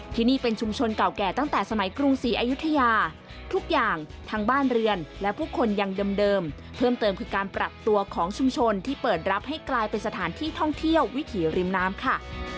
ที่นี่เป็นชุมชนเก่าแก่ตั้งแต่สมัยกรุงศรีอายุทยาทุกอย่างทั้งบ้านเรือนและผู้คนยังเดิมเพิ่มเติมคือการปรับตัวของชุมชนที่เปิดรับให้กลายเป็นสถานที่ท่องเที่ยววิถีริมน้ำค่ะ